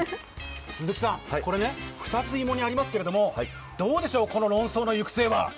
これ２つ、芋煮ありますけれどもどうでしょう、この論争の行く末は。